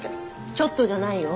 ちょっとじゃないよ。